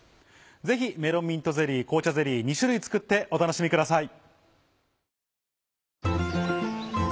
ぜひ「メロンミントゼリー」「紅茶ゼリー」２種類作ってお楽しみください。